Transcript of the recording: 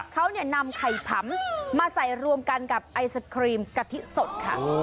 เขานำไข่ผำมาใส่รวมกันกับไอศครีมกะทิสดค่ะ